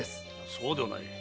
そうではない。